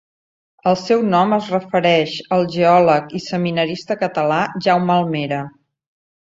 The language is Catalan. El seu nom es refereix al geòleg i seminarista català Jaume Almera.